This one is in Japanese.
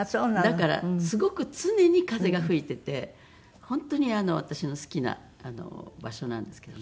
だからすごく常に風が吹いていて本当に私の好きな場所なんですけどね。